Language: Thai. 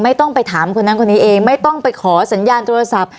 ไม่ต้องไปถามคนนั้นคนนี้เองไม่ต้องไปขอสัญญาณโทรศัพท์